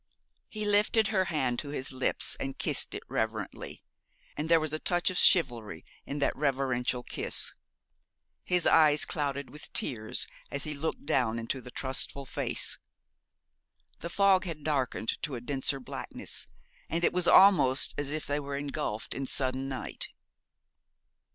He lifted her hand to his lips, and kissed it reverently, and there was a touch of chivalry in that reverential kiss. His eyes clouded with tears as he looked down into the trustful face. The fog had darkened to a denser blackness, and it was almost as if they were engulfed in sudden night.